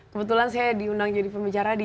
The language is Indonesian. kebetulan saya diundang jadi pembicara di